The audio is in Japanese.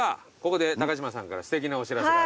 ここで高島さんからすてきなお知らせが。